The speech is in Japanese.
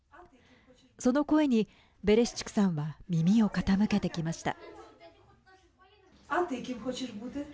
その声に、ベレシチュクさんは耳を傾けてきました。